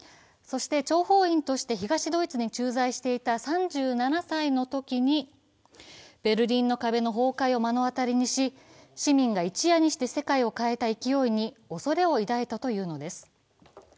そして諜報員として東ドイツに駐在していた３７歳のときにベルリンの壁の崩壊を目の当たりにし、市民が一夜にして世界を変えた勢いに恐れを抱いたというのです。